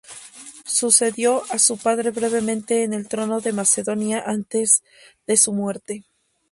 Sucedió a su padre brevemente en el trono de Macedonia antes de su muerte.